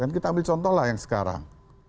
kita ambil contoh lah yang sekarang